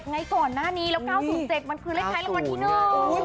ไงก่อนหน้านี้แล้ว๙๐๗มันคือเลขท้ายรางวัลที่หนึ่ง